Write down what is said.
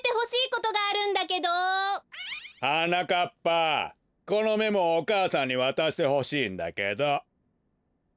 はなかっぱこのメモをお母さんにわたしてほしいんだけど。